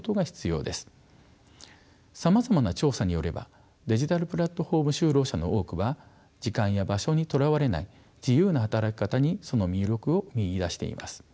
さまざまな調査によればデジタルプラットフォーム就労者の多くは時間や場所にとらわれない自由な働き方にその魅力を見いだしています。